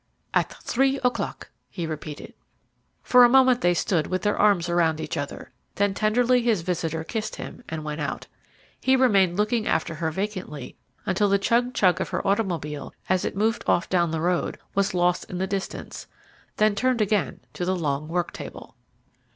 "At three o'clock," he repeated. For a moment they stood with their arms around each other, then tenderly his visitor kissed him, and went out. He remained looking after her vacantly until the chug chug of her automobile, as it moved off down the road, was lost in the distance, then turned again to the long work table.